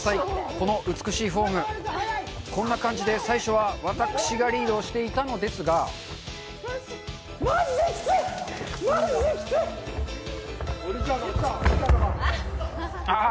この美しいフォームこんな感じで最初はわたくしがリードをしていたのですがマジできついマジできついあぁ